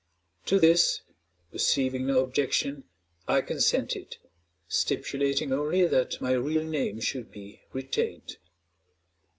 _To this, perceiving no objection, I consented, stipulating only that my real name should be retained.